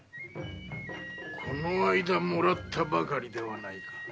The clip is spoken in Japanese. このあいだもらったばかりではないか。